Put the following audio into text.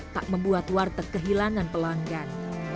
tak membuat warteg kehilangan pelanggan